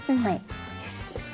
よし。